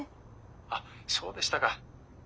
あっそうでしたか。